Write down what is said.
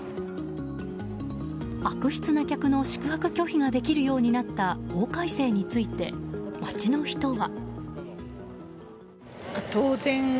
悪質な客の宿泊拒否ができるようになった法改正について、街の人は。